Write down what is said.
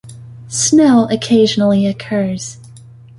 Snow occasionally occurs.